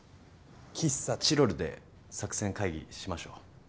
喫茶チロルで作戦会議しましょう。